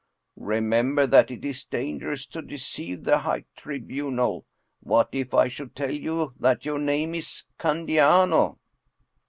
" Remember that it is dangerous to deceive the High Tribunal. What if I should tell you that your name is Candiano?